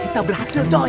kita berhasil coy